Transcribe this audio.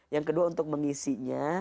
yang kedua untuk mengisinya